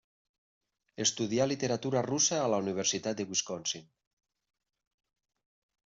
Estudià literatura russa a la Universitat de Wisconsin.